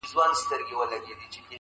دا خو ډيره گرانه ده.